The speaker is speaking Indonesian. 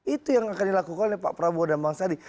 itu yang akan dilakukan oleh pak prabowo dan bang sandi